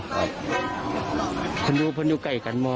ครับคุณซื้อพ่อนู่แก้กันหม่อ